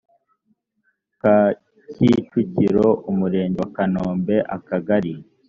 ka kicukiro umurenge wa kanombe akagali